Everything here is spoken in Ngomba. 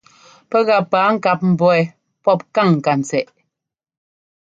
Pɛ́ gá paa-ŋkáp mbɔ̌ wɛ́ pɔ́p káŋ ŋkantsɛꞌ.